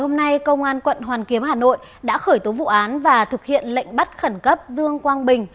hôm nay công an quận hoàn kiếm hà nội đã khởi tố vụ án và thực hiện lệnh bắt khẩn cấp dương quang bình